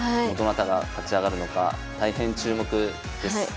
どなたが勝ち上がるのか大変注目です。